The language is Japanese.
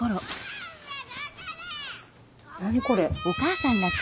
何これ？